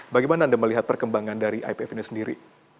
bagaimana anda melihat perkembangan dari ipf ini sendiri